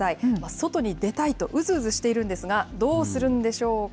外に出たいとうずうずしているんですが、どうするんでしょうか。